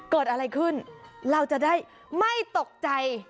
เกิดอะไรขึ้นเราจะได้ไม่ตกใจ